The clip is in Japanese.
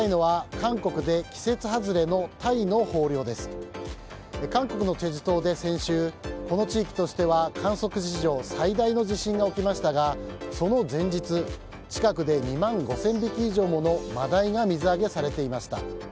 韓国のチェジュ島で先週この地域としては観測史上最大の地震が起きましたがその前日近くで２万５０００匹以上ものマダイが水揚げされていました。